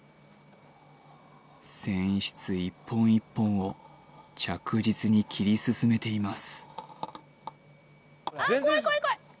繊維質１本１本を着実に切り進めています